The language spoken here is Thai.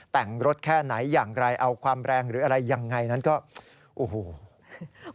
แต่งรถแค่ไหนอย่างไรเอาความแรงหรืออะไรยังไงนั้นก็โอ้โห